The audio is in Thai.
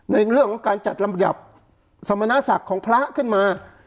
ในเรื่องของการจัดลำดับสมณศักดิ์ของพระขึ้นมา